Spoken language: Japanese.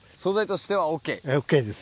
ＯＫです。